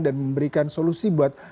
dan memberikan solusi buat